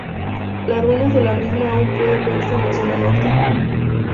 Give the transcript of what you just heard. Las ruinas de la misma aún pueden verse en la zona norte.